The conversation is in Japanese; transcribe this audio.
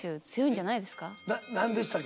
何でしたっけ？